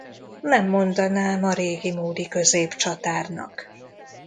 Nem mondanám a régimódi középcsatárnak.